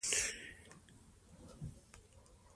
افغان ولس به تل ژوندی وي.